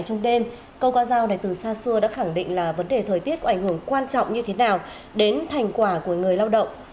trong đêm câu ca giao này từ xa xưa đã khẳng định là vấn đề thời tiết có ảnh hưởng quan trọng như thế nào đến thành quả của người lao động